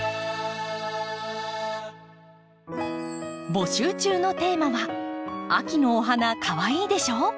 募集中のテーマは「秋のお花かわいいでしょ？」。